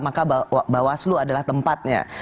maka bawaslu adalah tempatnya